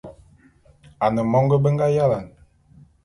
Ane mongô be nga yalane.